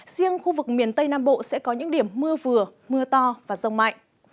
riêng khu vực miền tây nam bộ sẽ có những điểm mưa vừa mưa to và rông mạnh